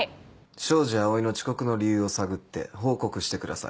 庄司蒼の遅刻の理由を探って報告してください。